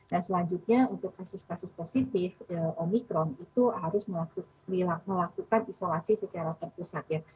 dan selanjutnya untuk kasus kasus positif omikron itu harus melakukan isolasi secara terpusat ya